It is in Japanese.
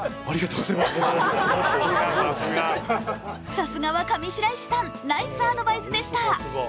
さすがは上白石さん、ナイスアドバイスでした。